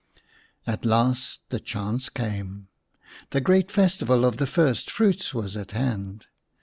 At last the chance came. The great festival of the first fruits was at hand.